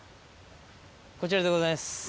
こちらでございます。